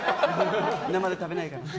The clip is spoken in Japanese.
生で食べないよ。